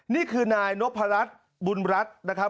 นี่คือนายนพรัชบุญรัฐนะครับ